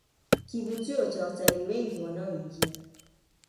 kivutio cha watalii wengi wanaoingia